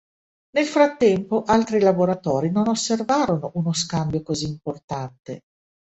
Nel frattempo altri laboratori non osservarono uno scambio così importante.